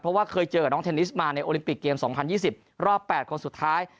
เพราะว่าเคยเจอกับน้องเทนนิสมาในโอลิมปิกเกม๒๐๒๐รอบ๘คนสุดท้าย